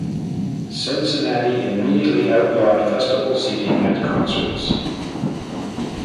Cincinnati immediately outlawed festival seating at concerts.